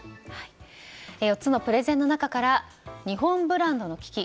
４つのプレゼンの中から日本ブランドの危機